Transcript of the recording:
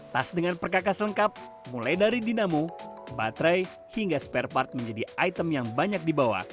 tas dengan perkakas lengkap mulai dari dinamo baterai hingga spare part menjadi item yang banyak dibawa